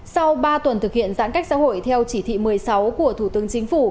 sau ba tuần thực hiện giãn cách xã hội theo chỉ thị một mươi sáu của thủ tướng chính phủ